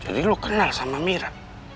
jadi lo kenal sama mira